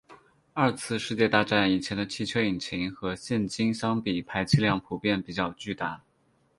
二次世界大战以前的汽车引擎和现今相比排气量普遍比较巨大。